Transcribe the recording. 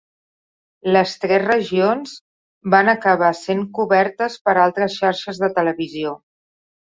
Les tres regions van acabar sent cobertes per altres xarxes de televisió.